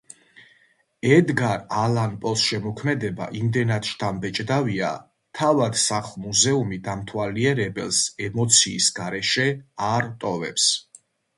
ედგარ ალან პოს შემოქმედება იმდენად შთამბეჭდავია, თავად სახლ-მუზეუმი დამთვალიერებელს ემოციის გარეშე არ ტოვებს.